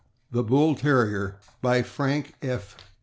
THE BULL TERRIER. BY FRANK F.